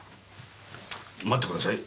待ってください。